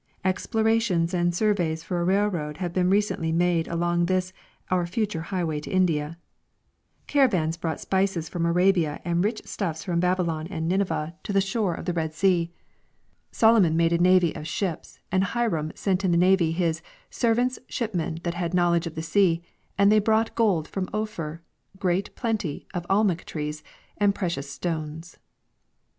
Ex]3lorations and surveys for a railroad have been recently made along this " our future highway to India." Caravans brought spices from Arabia and ricli stuffs from Babylon and Nineveh to 1— Nat. Geog. Ma«., yor,. IV, 1802. (1) 2 6r. G. Hubbard — The Evolution of Commerce. the shore of the Red sea. Solomon made a navy of shii3S and Hiram sent in the navy his " Servants, shipmen that had knowl edge of the sea, and they brought gold from Ophir, great plenty of almug trees, and precious stones."